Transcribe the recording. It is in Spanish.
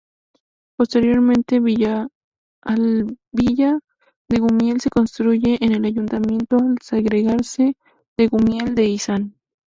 Posteriormente Villalbilla de Gumiel se constituye en ayuntamiento al segregarse de Gumiel de Izán.